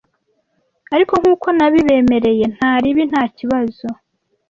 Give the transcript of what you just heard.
ariko nkuko nabibemereye nta ribi nta kibazo